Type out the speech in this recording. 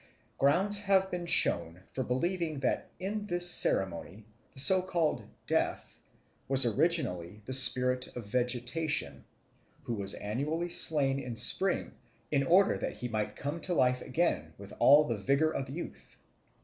Grounds have been shown for believing that in this ceremony the so called Death was originally the spirit of vegetation, who was annually slain in spring, in order that he might come to life again with all the vigour of youth.